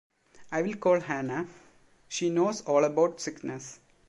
I'll call Hannah, she knows all about sickness.